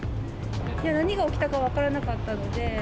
何が起きたか分からなかったので。